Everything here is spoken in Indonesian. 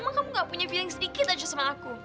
emang kamu gak punya feeling sedikit aja sama aku